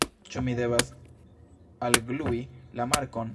Ĉu mi devas alglui la markon?